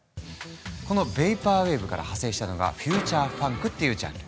このヴェイパーウェーブから派生したのがフューチャーファンクっていうジャンル。